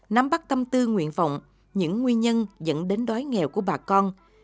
nắm bắt tâm tư nguyện vọng những nguyên nhân dẫn đến đói nghèo của bà con